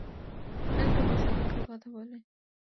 একটু বোসো, দুঃখের কথা বলি।